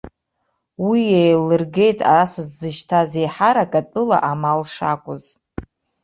Уи еиллыргеит асас дзышьҭаз еиҳарак атәыла амал шакәыз.